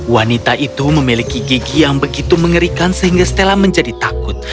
wanita itu memiliki gigi yang begitu mengerikan sehingga stella menjadi takut